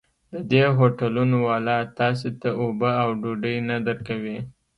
د دې هوټلونو والا تاسې ته اوبه او ډوډۍ نه درکوي.